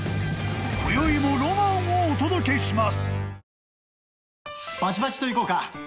［こよいもロマンをお届けします］